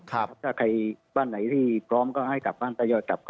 ถ้าใครบ้านไหนที่พร้อมก็ให้กลับบ้านตายอดกลับ